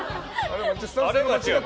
あれは違う。